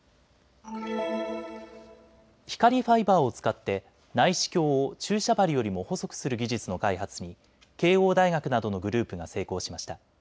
光ファイバーを使って内視鏡を注射針よりも細くする技術の開発に慶應大学などのグループが成功しました。